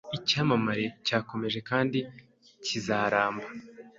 Icyamamare cyakomeje kandi kizaramba